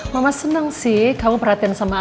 mama seneng sih kamu perhatian sama anaknya